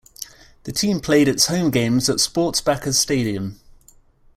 The team played its home games at Sports Backers Stadium.